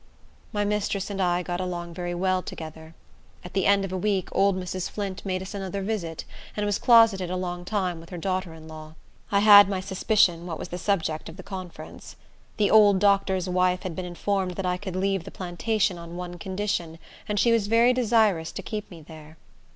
My mistress and I got along very well together. At the end of a week, old Mrs. Flint made us another visit, and was closeted a long time with her daughter in law. I had my suspicions what was the subject of the conference. The old doctor's wife had been informed that I could leave the plantation on one condition, and she was very desirous to keep me there.